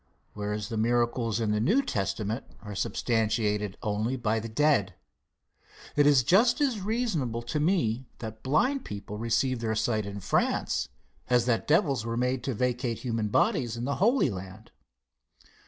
Whereas, the miracles in the New Testament are substantiated only by the dead. It is just as reasonable to me that blind people receive their sight in France as that devils were made to vacate human bodies in the holy land.